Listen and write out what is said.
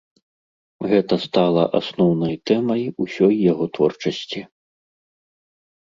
Гэта стала асноўнай тэмай усёй яго творчасці.